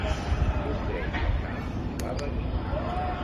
Un greu pesar li va venir